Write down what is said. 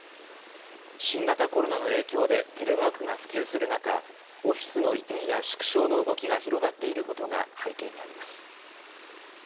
新型コロナの影響でテレワークが普及する中、オフィスの移転や縮小の動きが広がっていることが背景にあります。